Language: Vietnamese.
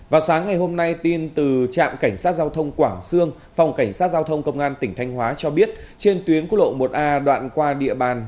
vào sáng ngày hôm nay tin từ trạm cảnh sát giao thông quảng sương phòng cảnh sát giao thông công an tỉnh thanh hóa cho biết trên tuyến quốc lộ một a đoạn qua địa bàn